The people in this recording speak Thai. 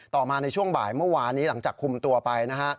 ต่อมาในช่วงบ่ายเมื่อวานนี้หลังจากคุมตัวไปนะฮะ